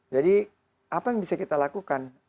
jadi apa yang bisa kita lakukan